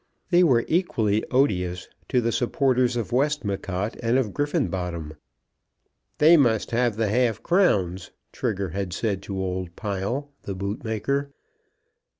They were equally odious to the supporters of Westmacott and of Griffenbottom. "They must have the half crowns," Trigger had said to old Pile, the bootmaker.